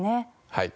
はい。